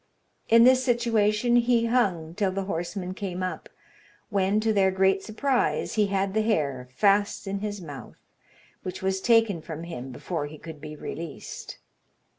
In this situation he hung till the horsemen came up, when, to their great surprise, he had the hare fast in his mouth, which was taken from him before he could be released.